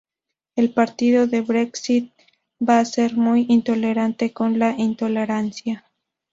El Partido del Brexit va a ser muy intolerante con la intolerancia.